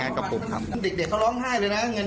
เราทำไปเพื่ออะไร๖โรงเรียน